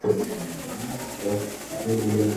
This marriage will last forever.